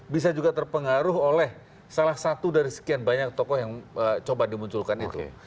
bisa juga terpengaruh oleh salah satu dari sekian banyak tokoh yang coba dimunculkan itu